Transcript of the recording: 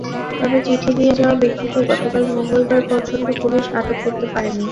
তবে চিঠি দিয়ে যাওয়া ব্যক্তিকে গতকাল মঙ্গলবার পর্যন্ত পুলিশ আটক করতে পারেনি।